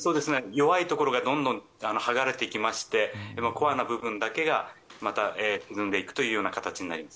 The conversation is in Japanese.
弱いところがどんどん剥がれていきましてコアな部分だけがまた緩んでいくということになります。